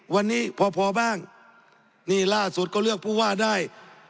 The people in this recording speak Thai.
วันนี้พอพอบ้างนี่ล่าสุดก็เลือกผู้ว่าได้